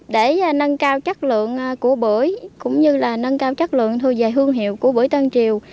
để nâng cao chất lượng của bưởi cũng như là nâng cao chất lượng thu về hương hiệu của bưởi tân triều